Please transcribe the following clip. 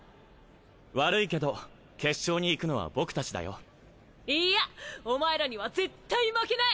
悪いけど決勝に行くのは僕たちだよいやお前らには絶対負けない！